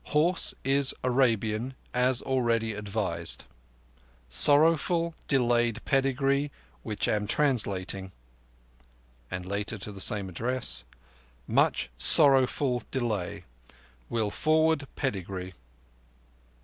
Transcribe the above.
Horse is Arabian as already advised. Sorrowful delayed pedigree which am translating._" And later to the same address: "_Much sorrowful delay. Will forward pedigree.